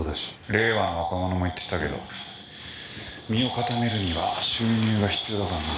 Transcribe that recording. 令和の若者も言ってたけど身を固めるには収入が必要だからな。